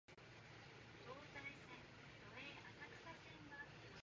Mags promises to take care of Dean.